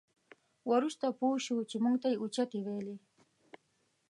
وروسته پوه شوو چې موږ ته یې اوچتې ویلې.